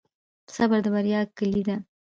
صبر د بریا کلي ده.